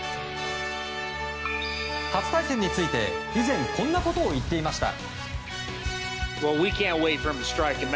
初対戦について、以前こんなことを言っていました。